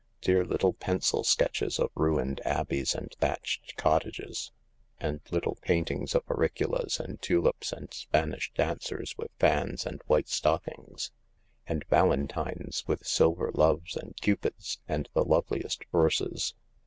Dear little pencil sketches of ruined abbeys and thatched cottages, and little paintings of auriculas and tulips and Spanish dancers with fans and white stockings, and valentines with silver loves and cupids and the loveliest verses."